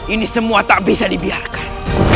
ini semua tak bisa dibiarkan